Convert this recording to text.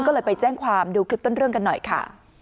ก็เลยไปแจ้งความดูคลิปต้นเรื่องกันหน่อยค่ะ